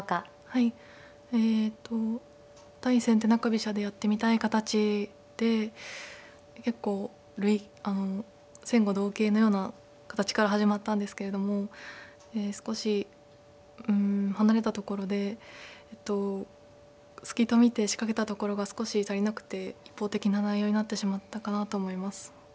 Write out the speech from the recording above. はいえっと対先手中飛車でやってみたい形で結構先後同型のような形から始まったんですけれども少しうん離れたところでえっと隙と見て仕掛けたところが少し足りなくて一方的な内容になってしまったかなと思います。